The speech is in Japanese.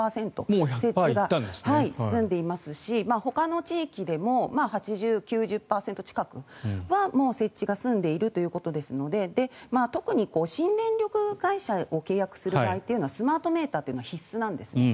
設置が済んでいますしほかの地域でも８０、９０％近くはもう設置が済んでいるということですので特に新電力会社を契約する場合というのはスマートメーターというのは必須なんですね。